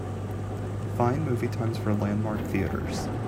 Find movie times for Landmark Theatres.